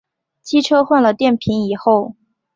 机车换了电瓶以后